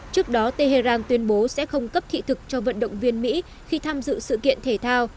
trước đó tehran tuyên bố sẽ không cấp thị thực cho vận động viên mỹ khi tham dự sự kiện thể thao